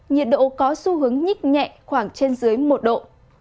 nhiệt độ có xu hướng nhích nhẹ khoảng trên dưới một độ